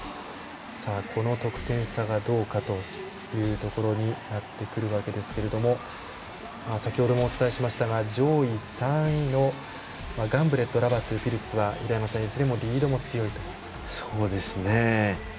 この得点差がどうかというところになってくるわけですけれども先ほどもお伝えしましたが上位３人のガンブレット、ラバトゥ、ピルツいずれもリードも強いと。